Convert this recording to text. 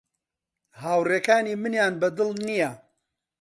هاوڕێکانی منیان بە دڵ نییە.